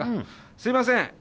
すいません